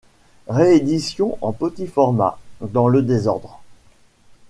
Réédition en petit format dans le désordre.